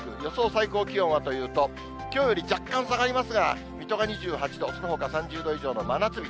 最高気温はというと、きょうより若干下がりますが、水戸が２８度、そのほか３０度以上の真夏日。